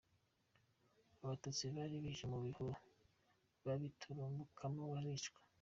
Abatutsi bari bihise mu bihuru babiturumbukamo baricwa”.